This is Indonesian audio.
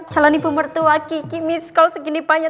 calon ibu mertua kiki miskol segini panjang